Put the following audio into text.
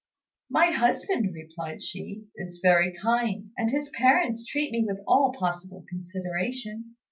"My husband," replied she, "is very kind; and his parents treat me with all possible consideration.